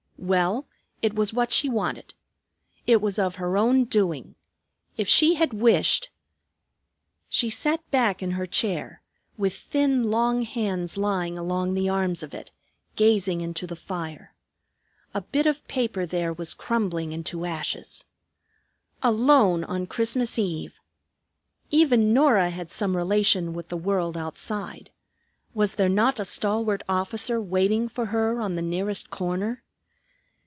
Well, it was what she wanted. It was of her own doing. If she had wished She sat back in her chair, with thin, long hands lying along the arms of it, gazing into the fire. A bit of paper there was crumbling into ashes. Alone on Christmas Eve! Even Norah had some relation with the world outside. Was there not a stalwart officer waiting for her on the nearest corner?